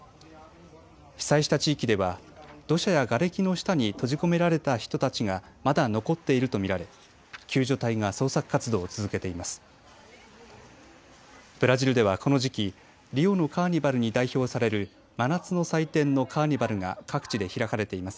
被災した地域では土砂やがれきの下に閉じ込められた人たちがまだ残っていると見られ救助隊が捜索活動を続けています。